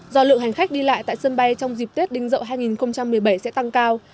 do lượng hành khách đi lại tại sân bay trong dịp tết đinh dậu hai nghìn một mươi bảy sẽ tăng cao